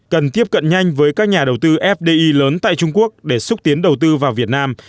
cần tiếp cận nhanh với các nhà đầu tư fdi lớn tại trung quốc để xúc tiến đầu tư vào việt nam